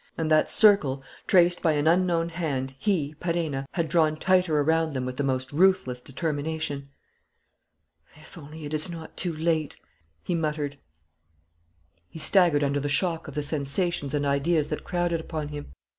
And that circle traced by an unknown hand he, Perenna, had drawn tighter around them with the most ruthless determination. "If only it is not too late!" he muttered. He staggered under the shock of the sensations and ideas that crowded upon him.